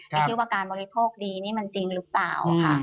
ที่ว่าการบริโภคดีนี่มันจริงหรือเปล่าค่ะ